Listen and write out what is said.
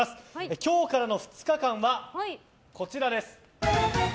今日からの２日間はこちらです。